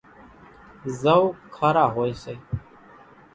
زوَ کارا هوئيَ سي۔